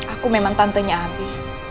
aku memang tantenya abi